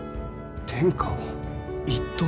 天下を一統？